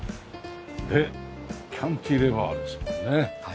でキャンティレバーですもんね。